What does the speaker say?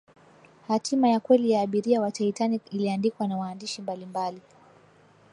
hatima ya kweli ya abiria wa titanic iliandikwa na waandishi mbalimbali